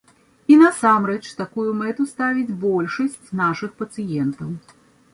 І насамрэч такую мэту ставіць большасць нашых пацыентаў.